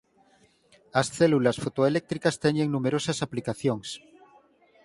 As células fotoeléctricas teñen numerosas aplicacións.